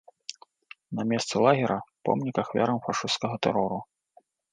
На месцы лагера помнік ахвярам фашысцкага тэрору.